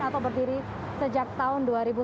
atau berdiri sejak tahun dua ribu sembilan